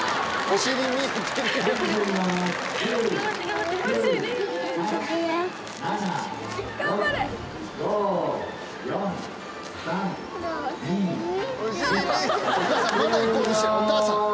お母さん！